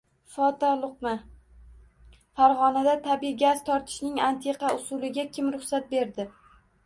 Fotoluqma: Farg‘onada tabiiy gaz tortishning "antiqa usuli"ga kim ruxsat berdi?